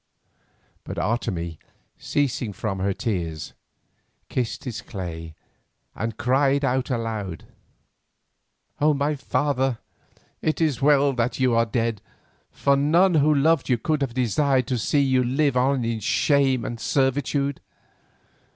But Otomie, ceasing from her tears, kissed his clay and cried aloud: "O my father, it is well that you are dead, for none who loved you could desire to see you live on in shame and servitude.